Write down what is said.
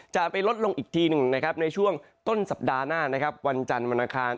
จะไปลดลงอีกทีหนึ่งนะครับในช่วงต้นสัปดาห์หน้านะครับวันจันทร์วันอังคาร